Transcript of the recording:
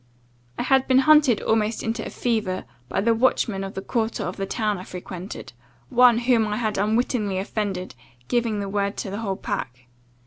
I had been hunted almost into a fever, by the watchmen of the quarter of the town I frequented; one, whom I had unwittingly offended, giving the word to the whole pack.